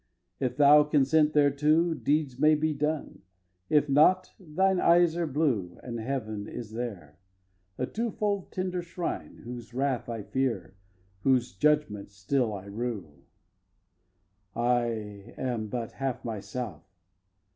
If thou consent thereto Deeds may be done. If not, thine eyes are blue And Heaven is there, a two fold tender shrine Whose wrath I fear, whose judgment still I rue! xvii. I am but half myself.